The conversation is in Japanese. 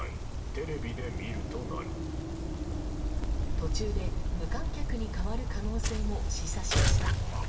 途中で無観客に変わる可能性も示唆しました。